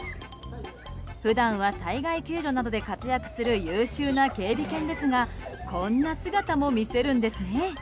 普段は災害救助などで活躍する優秀な警備犬ですがこんな姿も見せるんですね。